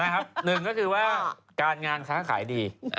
หนึ่งก็คือว่าการงานค้าขายดี